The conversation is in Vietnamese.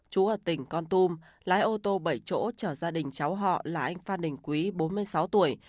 chú ở tỉnh con tum lái ô tô bảy chỗ chở gia đình cháu họ là anh phan đình quý bốn mươi sáu tuổi